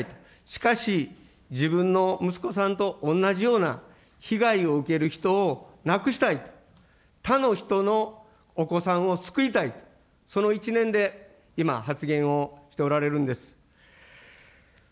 しかし、自分の息子さんと同じような、被害を受ける人をなくしたいと、他の人のお子さんを救いたい、その一念で今、発言をしておられるんです。